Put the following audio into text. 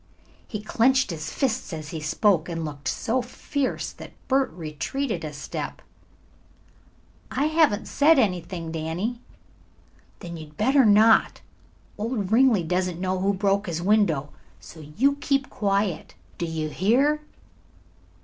He clenched his fists as he spoke and looked so fierce that Bert retreated a step. "I haven't said anything, Danny." "Then you had better not. Old Ringley doesn't know who broke his window. So you keep quiet; do you hear?"